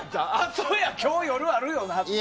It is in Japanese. そうや、今日、夜あるよなって。